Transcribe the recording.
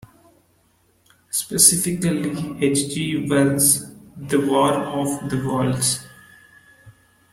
Specifically, H. G. Wells' "The War of the Worlds".